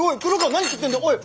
何食ってんだおい！